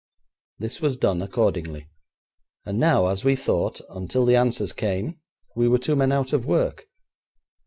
This was done accordingly, and now, as we thought, until the answers came, we were two men out of work.